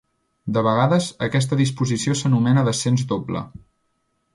De vegades, aquesta disposició s'anomena descens doble.